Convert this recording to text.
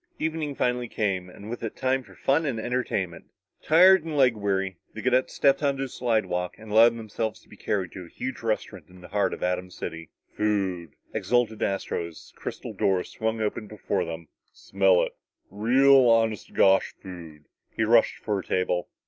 Evening finally came and with it time for fun and entertainment. Tired and leg weary, the cadets stepped on a slidewalk and allowed themselves to be carried to a huge restaurant in the heart of Atom City. "Food," exulted Astro as the crystal doors swung open before them. "Smell it! Real, honest to gosh food!" He rushed for a table.